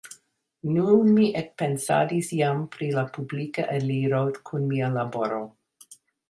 Nun mi ekpensadis jam pri la publika eliro kun mia laboro.